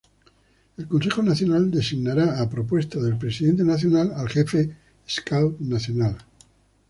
El Consejo Nacional designara, a propuesta del Presidente Nacional, al Jefe Scout Nacional.